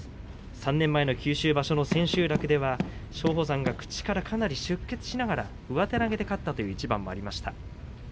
３年前の九州場所、千秋楽松鳳山が口からかなり出血しながら、上手投げで勝ったという一番もありました。